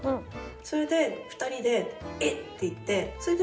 それで２人で「えっ！？」って言ってそれで。